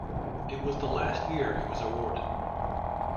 It was the last year it was awarded.